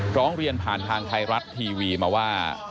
ร้องเรียนผ่านทางไทยรัฐทีวีมาว่า